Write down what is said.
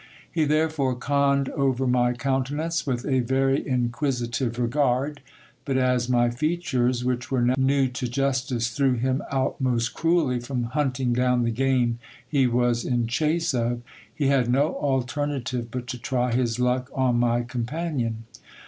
He therefore conned over my countenance with a very inquisitive regard ; but as my features, which were new to justice, threw him out most cruelly from hunting down the game he was in chase of, he had no alternative but to try his luck on my companion.